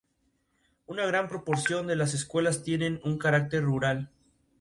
Elissa reside en Arizona, junto a su marido, su gato y su cacatúa.